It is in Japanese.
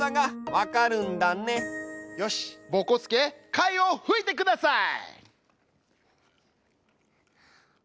よしぼこすけ貝をふいてください！